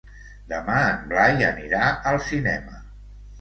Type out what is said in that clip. Demà en Blai anirà al cinema.